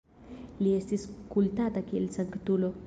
Li estis kultata kiel sanktulo.